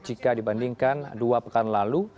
jika dibandingkan dua pekan lalu